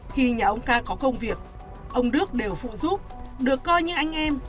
khi nhà ông ca có công việc ông đức đều phụ giúp được coi như anh em